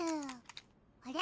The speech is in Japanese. あれ？